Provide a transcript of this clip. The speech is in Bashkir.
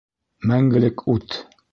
Мәңгелек ут!